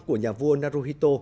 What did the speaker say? của nhà vua naruhito